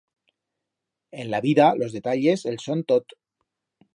En la vida, los detalles el son tot.